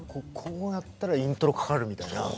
こうなったらイントロかかるみたいな。